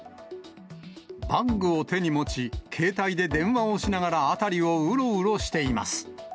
バッグを手に持ち、携帯で電話をしながら、辺りをうろうろしています。